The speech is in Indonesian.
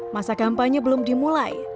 masa kampanye belum dimulai